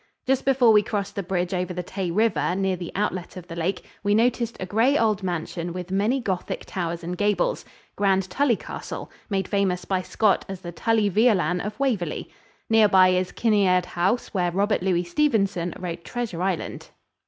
Just before we crossed the bridge over the Tay River near the outlet of the lake, we noticed a gray old mansion with many Gothic towers and gables, Grandtully Castle, made famous by Scott as the Tully Veolan of Waverly. Near by is Kinniard House, where Robert Louis Stevenson wrote "Treasure Island."